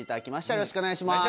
よろしくお願いします。